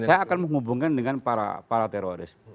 saya akan menghubungkan dengan para teroris